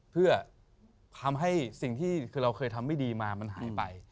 เพื่อทำให้สิ่งที่คือเราเคยทำไม่ดีมามันหายไป